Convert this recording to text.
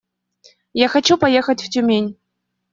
Я хочу поехать в Тюмень.